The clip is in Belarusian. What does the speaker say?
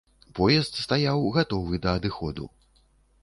Поезд стаяў, гатовы да адыходу.